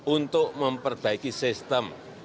untuk memperbaiki sistem